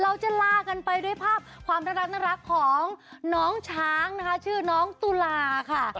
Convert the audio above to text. เราจะลากันไปด้วยภาพความน่ารักของน้องช้างนะคะชื่อน้องตุลาค่ะ